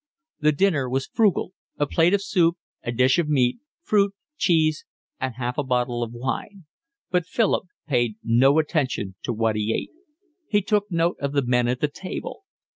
The dinner was frugal, a plate of soup, a dish of meat, fruit, cheese, and half a bottle of wine; but Philip paid no attention to what he ate. He took note of the men at the table.